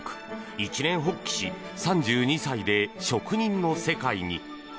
一念発起し３２歳で職人の世界に。